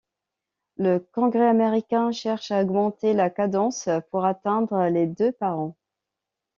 Le Congrès américain cherche à augmenter la cadence pour atteindre les deux par an.